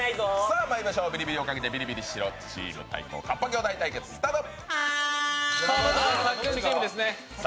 ビリビリをかけてヒリヒリしろチーム対抗カッパ兄弟対決対決スタート。